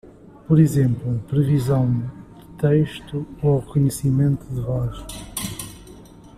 Por exemplo, previsão de texto ou reconhecimento de voz.